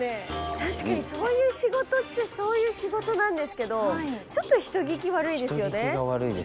確かにそういう仕事っちゃそういう仕事なんですけどちょっと人聞き悪いですよね。